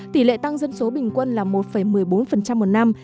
tỷ lệ tăng dân số bình quân là một một mươi bốn một năm